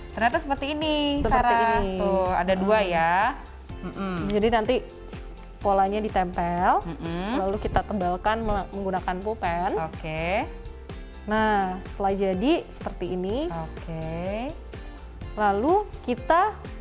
ternyata seperti ini ada dua ya jadi nanti polanya ditempel lalu kita tebalkan menggunakan pupen oke nah setelah jadi seperti ini oke lalu kita